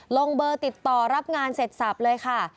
ลงเบอร์ติดต่อรับงานเสร็จสับเลยค่ะ